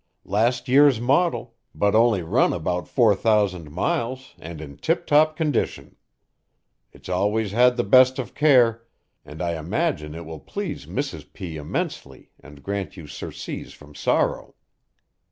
Last year's model, but only run about four thousand miles and in tiptop condition. It's always had the best of care, and I imagine it will please Mrs. P. immensely and grant you surcease from sorrow.